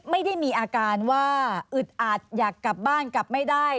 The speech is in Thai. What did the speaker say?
ไม่ได้มีอาการว่าอึดอัดอยากกลับบ้านกลับไม่ได้